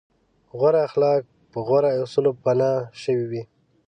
غوره اخلاق په غوره اصولو بنا شوي وي.